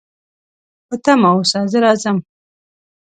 په تمه اوسه، زه راځم